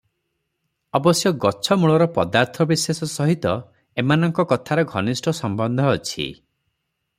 ଅବଶ୍ୟ ଗଛମୂଳର ପଦାର୍ଥ ବିଶେଷ ସହିତ ଏମାନଙ୍କ କଥାର ଘନିଷ୍ଠ ସମ୍ବନ୍ଧ ଅଛି ।